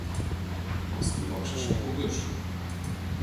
Васлий вакшышым погыш.